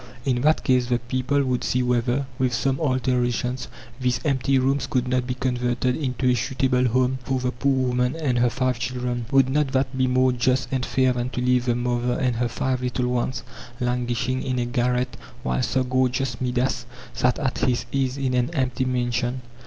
In that case the people would see whether, with some alterations, these empty rooms could not be converted into a suitable home for the poor woman and her five children. Would not that be more just and fair than to leave the mother and her five little ones languishing in a garret, while Sir Gorgeous Midas sat at his ease in an empty mansion?